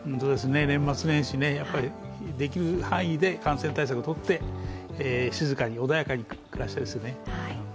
年末年始、できる範囲で感染対策をとって静かに穏やかに暮らしたいですね。